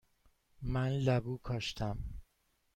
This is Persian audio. من لبو کاشتم.